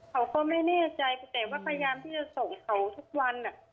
เขาก็ไม่แน่ใจแต่ว่าพยายามที่จะส่งเขาทุกวัน